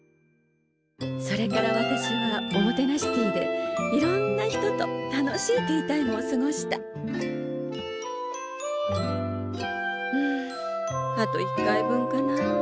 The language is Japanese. それから私はおもてなしティーでいろんな人と楽しいティータイムを過ごしたうんあと１回分かな。